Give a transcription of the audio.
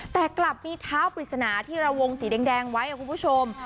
แต่กลับมีเท้าปริศนาที่ระวงสีแดงไว้คุณผู้ชม